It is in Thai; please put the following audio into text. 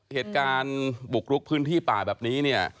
เหตุการณ์บุกลุกพื้นที่ป่าแบบนี้เนี่ย